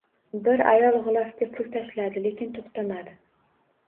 Bir ayol gʻilofga pul tashladi, lekin toʻxtamadi